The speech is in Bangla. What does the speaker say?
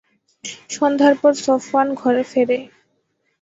সন্ধ্যার পর সফওয়ান ঘরে ফেরে।